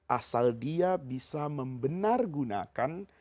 asal dia bisa membenar gunakan